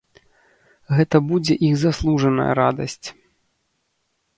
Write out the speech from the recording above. Гэта будзе іх заслужаная радасць.